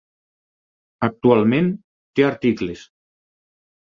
Actualment, té articles.